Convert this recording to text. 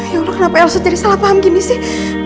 ya allah kenapa elsa jadi salah paham gini sih